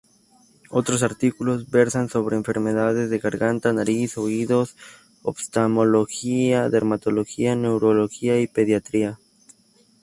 Otros artículos versan sobre enfermedades de garganta, nariz, oídos, oftalmología, dermatología, neurología y pediatría.